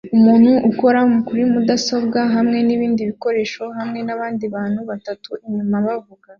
Umuntu ukora kuri mudasobwa hamwe nibindi bikoresho hamwe nabandi bantu batatu inyuma bavuga